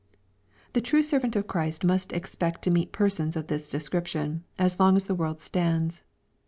The true servant of Christ must €xpect to meet persons of this description, as long as the world stands.